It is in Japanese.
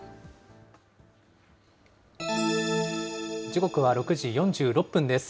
時刻は６時４６分です。